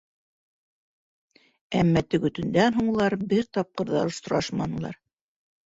Әммә теге төндән һуң улар бер тапҡыр ҙа осрашманылар.